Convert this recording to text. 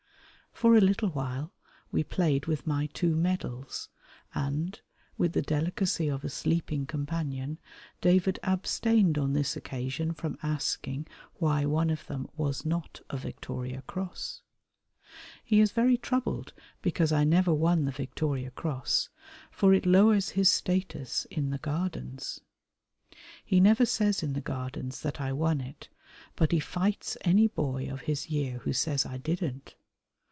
For a little while we played with my two medals, and, with the delicacy of a sleeping companion, David abstained on this occasion from asking why one of them was not a Victoria Cross. He is very troubled because I never won the Victoria Cross, for it lowers his status in the Gardens. He never says in the Gardens that I won it, but he fights any boy of his year who says I didn't.